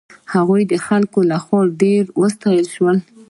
هغه د خلکو له خوا ډېر وستایل شو.